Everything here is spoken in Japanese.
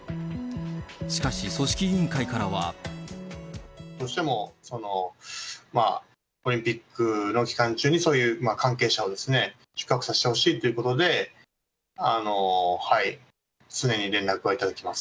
しかし、組織委員会からは。どうしてもオリンピックの期間中にそういう関係者を宿泊させてほしいということで、常に連絡は頂きます。